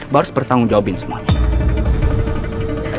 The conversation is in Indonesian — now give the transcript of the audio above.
barus bertanggung jawabin semuanya